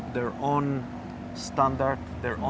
biarkan orang orang membangun standar mereka sendiri